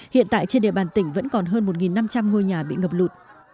hiện tại trên địa bàn tỉnh vẫn còn hơn một năm trăm linh ngôi nhà bị ngập lụt